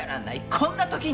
こんな時に！